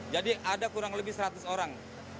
jadi ada kurang lebih seratus orang